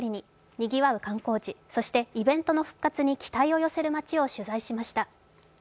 にぎわう観光地、そしてイベントの復活に期待を寄せる街を取材しました。